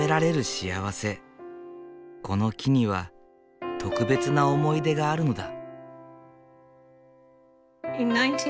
この木には特別な思い出があるのだ。